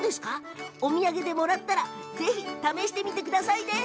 お土産でもらったらぜひ試してみてくださいね。